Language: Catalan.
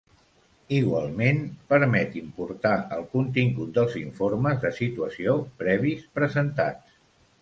Igualment permet importar el contingut dels informes de situació previs presentats.